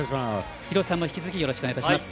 廣瀬さんも引き続きよろしくお願いいたします。